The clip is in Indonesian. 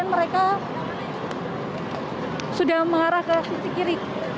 untuk rasa tujuh puluh empat renggang gas air mata yang sudah dikukul mundur